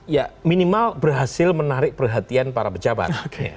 ya minimal berhasil menarik perhatian para pejabat